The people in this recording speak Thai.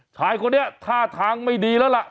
ชายคนนี้ท่าทางไม่ดีแล้วล่ะ